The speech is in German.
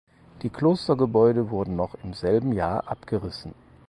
Die Klostergebäude wurden noch im selben Jahr abgerissen.